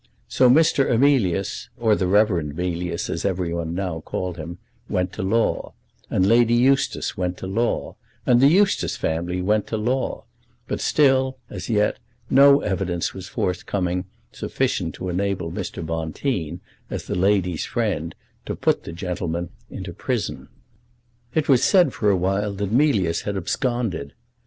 So Mr. Emilius, or the Reverend Mealyus, as everybody now called him, went to law; and Lady Eustace went to law; and the Eustace family went to law; but still, as yet, no evidence was forthcoming sufficient to enable Mr. Bonteen, as the lady's friend, to put the gentleman into prison. It was said for a while that Mealyus had absconded.